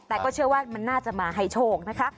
แต่ก็เชื่อว่ามันน่าจะมาให้โชคนะคะ